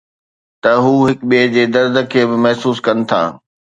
ته هو هڪ ٻئي جي درد کي به محسوس ڪن ٿا.